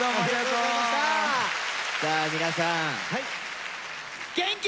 （さあ皆さん元気ですか！